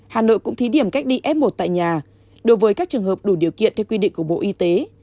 hà nội cũng thí điểm cách ly f một tại nhà đối với các trường hợp đủ điều kiện theo quy định của bộ y tế